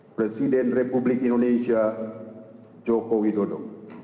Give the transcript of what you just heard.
presiden republik indonesia jokowi dodo